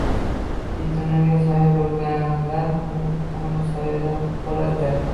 Yetimlarga soya bo'lganlar u Kun soyada bo'ladilar.